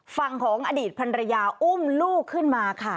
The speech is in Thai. ฝั่งของอดีตพันรยาอุ้มลูกขึ้นมาค่ะ